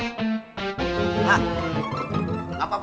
jangan lupa like subscribe dan share ya